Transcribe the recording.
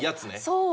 そう。